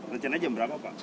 rencana jam berapa pak